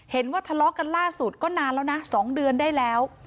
เห็นว่าทะเลาะกันล่าสุดก็นานแล้วนะ๒เดือนได้แล้ว